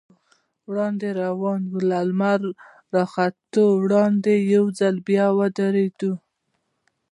وړاندې روان و، له لمر راختو وړاندې یو ځل بیا ودرېدو.